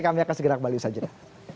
kami akan segera kembali saja